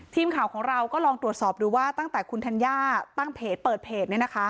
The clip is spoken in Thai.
ทีมข่าวของเราก็ลองตรวจสอบดูว่าตั้งแต่คุณธัญญาตั้งเพจเปิดเพจ